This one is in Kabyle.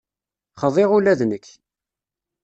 Xḍiɣ ula d nekk.